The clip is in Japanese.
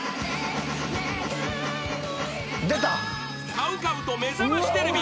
［ＣＯＷＣＯＷと『めざましテレビ』